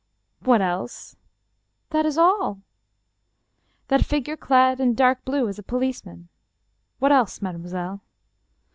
"What else?" " That is all." "That figure clad in dark blue is a policeman. What else, mademoiselle